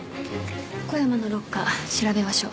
小山のロッカー調べましょう。